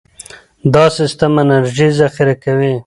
دا سیستم انرژي ذخیره کوي.